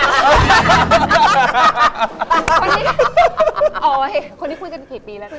อ้าวเฮ้ยคนที่คุยกันกี่ปีแล้ว